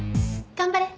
頑張れ。